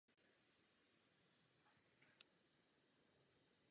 Ten diagram je dost nepřehlednej.